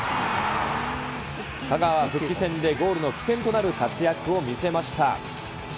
香川は復帰戦でゴールの起点となる活躍を見せました。